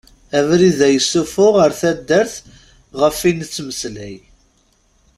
Abrid-a yessufuɣ ar taddart ɣef i nettmeslay.